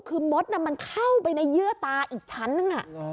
คือมดนั้นมันเข้าไปในเยื้อตออีกชั้นนึง